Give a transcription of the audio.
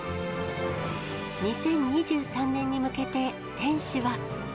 ２０２３年に向けて、店主は。